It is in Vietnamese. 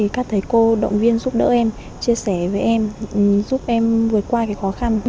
các thầy cô động viên giúp đỡ em chia sẻ với em giúp em vượt qua khó khăn